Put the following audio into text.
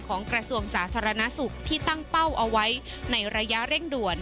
กระทรวงสาธารณสุขที่ตั้งเป้าเอาไว้ในระยะเร่งด่วน